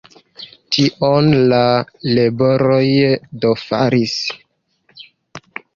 Tion la leporoj do faris.